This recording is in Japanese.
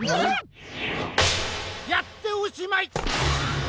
やっておしまい！